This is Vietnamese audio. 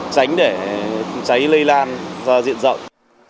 tránh để cháy lây lan ra diện rộng